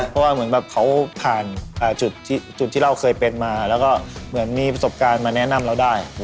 เพราะว่าเขาผ่านจุดที่เราเคยเป็นมาแล้วก็มีประสบการณ์มาแนะนำเราได้